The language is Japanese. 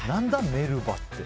メルバって。